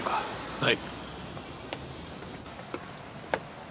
はい。